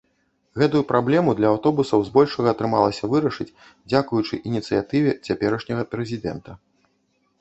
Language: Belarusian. Гэтую праблему для аўтобусаў збольшага атрымалася вырашыць, дзякуючы ініцыятыве цяперашняга прэзідэнта.